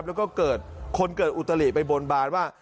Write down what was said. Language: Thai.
แล้วก็เกิดคนเกิดอุตลิไปบนบานว่า